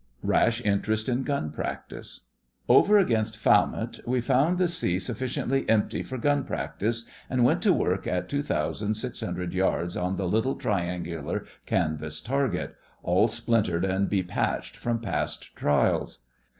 RASH INTEREST IN GUN PRACTICE Over against Falmouth we found the sea sufficiently empty for gun practice, and went to work at two thousand six hundred yards on the little, triangular, canvas target, all splintered and bepatched from past trials.